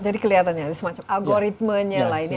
jadi kelihatannya semacam algoritmenya lah ini